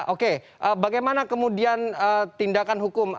oke bagaimana kemudian tindakan hukum